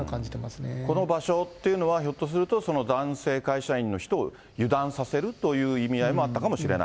この場所っていうのは、ひょっとすると男性会社員の人を油断させるという意味合いもあったか